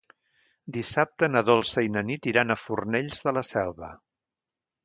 Dissabte na Dolça i na Nit iran a Fornells de la Selva.